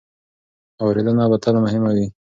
اورېدنه به تل مهمه وي.